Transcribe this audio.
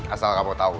asal kamu tau